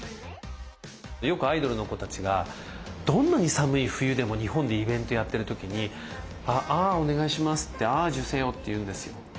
よくアイドルの子たちがどんなに寒い冬でも日本でイベントやってる時に「ア．ア」お願いしますって「ア．アジュセヨ」って言うんですよ。